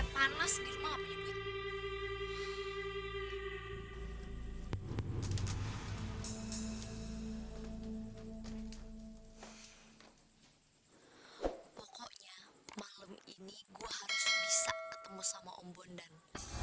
pokoknya malam ini gua harus bisa ketemu sama om bondan